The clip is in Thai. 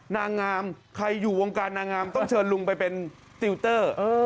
นางงามใครอยู่วงการนางงามต้องเชิญลุงไปเป็นติวเตอร์